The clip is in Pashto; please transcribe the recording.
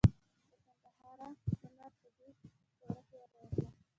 د ګندهارا هنر په دې دوره کې وده وکړه.